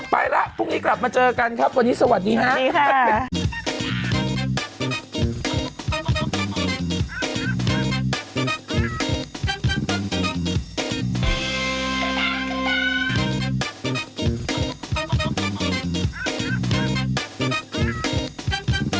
ไปแล้วพรุ่งนี้กลับมาเจอกันครับวันนี้สวัสดีนะดีค่ะ